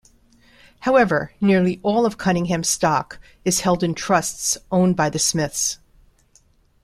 However, nearly all of Cunningham's stock is held in trusts owned by the Smiths.